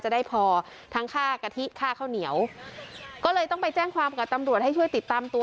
จะได้พอทั้งค่ากะทิค่าข้าวเหนียวก็เลยต้องไปแจ้งความกับตำรวจให้ช่วยติดตามตัว